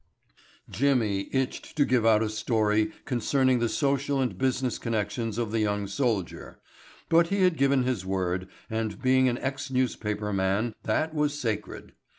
Jimmy itched to give out a story concerning the social and business connections of the young soldier, but he had given his word, and being an ex newspaper man, that was sacred.